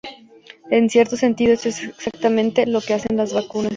En cierto sentido, esto es exactamente lo que hacen las vacunas.